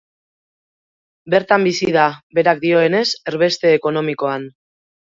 Bertan bizi da, berak dioenez, erbeste ekonomikoan.